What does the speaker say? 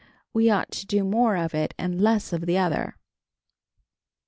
We ought to do more of it and less of the other."